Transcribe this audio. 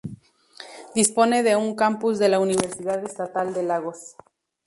Dispone de un campus de la Universidad Estatal de Lagos.